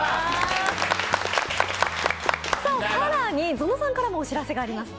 更にぞのさんからもお知らせがあります。